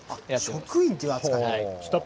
職員っていう扱い。